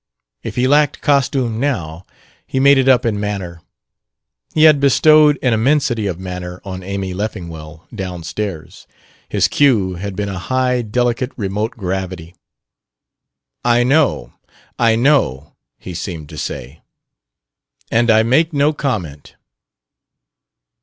If he lacked costume now, he made it up in manner. He had bestowed an immensity of manner on Amy Leffingwell, downstairs: his cue had been a high, delicate, remote gravity. "I know, I know," he seemed to say; "and I make no comment."